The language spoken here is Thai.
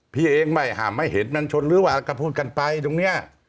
พี่เองไม่ห้ามไม่เห็นมันชนหรือว่าก็พูดกันไปตรงนี้